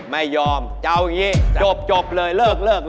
ไม่ยอมจะเอาอย่างนี้จบเลยเลิกเลย